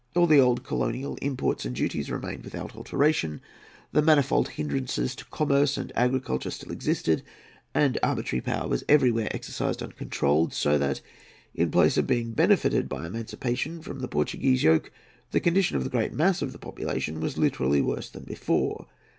All the old colonial imports and duties remained without alteration; the manifold hindrances to commerce and agriculture still existed; and arbitrary power was everywhere exercised uncontrolled: so that, in place of being benefited by emancipation from the Portuguese yoke, the condition of the great mass of the population was literally worse than before.